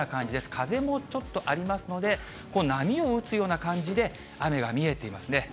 風もちょっとありますので、波を打つような感じで、雨が見えていますね。